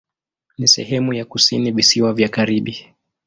Ni sehemu ya kusini Visiwa vya Karibi.